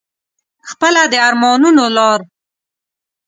خپله د ارمانونو لار